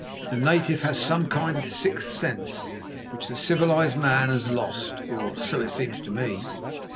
The native has some kind of sixth sense which the civilised man has lost, or so it seems to me.